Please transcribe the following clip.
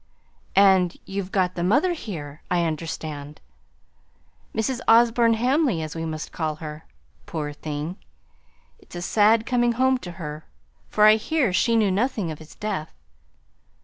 "And you've got the mother here, I understand. Mrs. Osborne Hamley, as we must call her, poor thing! It's a sad coming home to her; for I hear she knew nothing of his death."